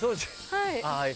はい。